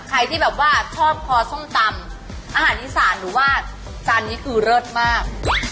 ใครที่แบบว่าชอบคอส้มตำอาหารอีสานหรือว่าจานนี้คือเลิศมาก